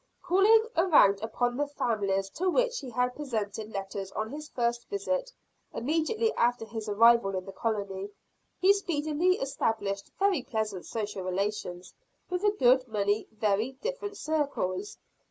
Calling around upon the families to which he had presented letters on his first visit, immediately after his arrival in the colony, he speedily established very pleasant social relations with a good many very different circles.